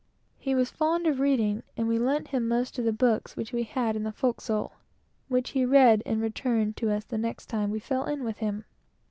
He was very fond of reading, and we lent him most of the books which we had in the forecastle, which he read and returned to us the next time we fell in with him.